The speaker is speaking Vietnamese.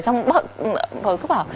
xong bận bận bận